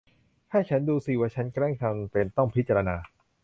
ให้ฉันดูสิว่าฉันแกล้งทำเป็นต้องพิจารณา